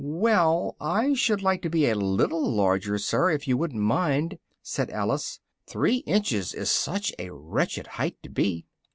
"Well, I should like to be a little larger, sir, if you wouldn't mind," said Alice, "three inches is such a wretched height to be."